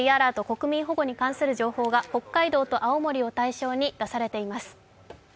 国民保護に関する情報が北海道と青森を対象に出されています。